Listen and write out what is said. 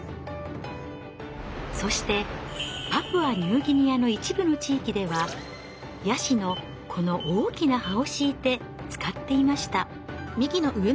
そしてパプアニューギニアの一部の地域ではヤシのこの大きな葉を敷いて使っていました。